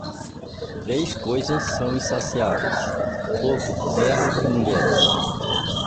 Três coisas são insaciáveis: fogo, terra e mulheres.